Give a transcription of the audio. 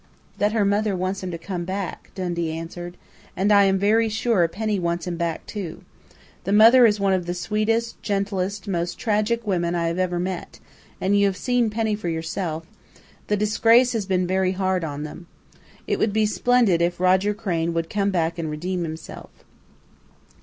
"That her mother wants him to come home," Dundee answered. "And I am very sure Penny wants him back, too.... The mother is one of the sweetest, gentlest, most tragic women I have ever met and you have seen Penny for yourself.... The disgrace has been very hard on them. It would be splendid if Roger Crain would come back and redeem himself."